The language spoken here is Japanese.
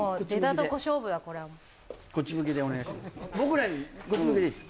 こっち向きでお願いします